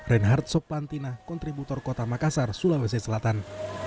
reinhard sopantina kontributor kota makassar sulawesi selatan